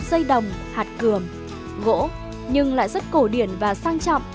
dây đồng hạt cường gỗ nhưng lại rất cổ điển và sang trọng